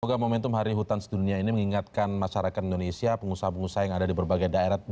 semoga momentum hari hutan sedunia ini mengingatkan masyarakat indonesia pengusaha pengusaha yang ada di berbagai daerah